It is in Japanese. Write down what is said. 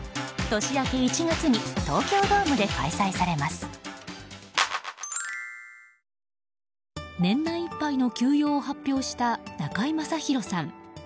年内いっぱいの休養を発表した中居正広さん。